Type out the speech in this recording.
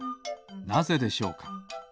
なぜでしょうか？